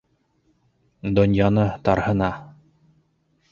Донъяны тарһына.